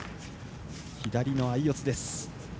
左の相四つです。